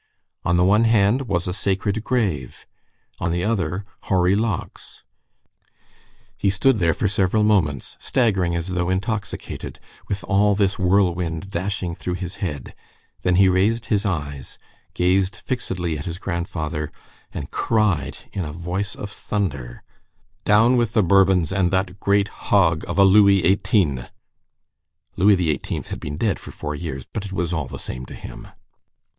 On the one hand was a sacred grave, on the other hoary locks. He stood there for several moments, staggering as though intoxicated, with all this whirlwind dashing through his head; then he raised his eyes, gazed fixedly at his grandfather, and cried in a voice of thunder:— "Down with the Bourbons, and that great hog of a Louis XVIII.!" Louis XVIII. had been dead for four years; but it was all the same to him.